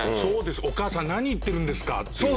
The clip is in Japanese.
「お母さん何言ってるんですか」。